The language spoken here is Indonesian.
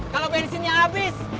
kalau bensinnya habis